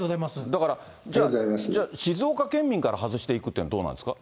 だから、静岡県民から外していくというのはどうなんですか。